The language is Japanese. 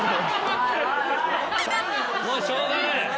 もうしょうがない。